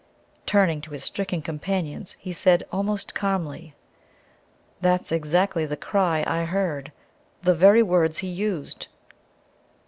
Turning to his stricken companions, he said almost calmly "That's exactly the cry I heard the very words he used!"